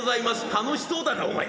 「楽しそうだなお前」。